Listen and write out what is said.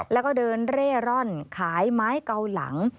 แล้วก็เดินเร่ร่อนขายไม้เกาหลัง